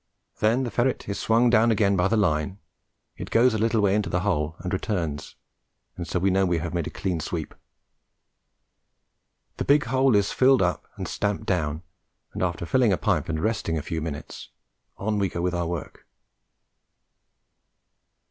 Then the ferret is swung down again by the line, it goes a little way into the hole and returns, and so we know we have made a clean sweep. The big hole is filled up and stamped down, and after filling a pipe and resting a few minutes, on we go with our work.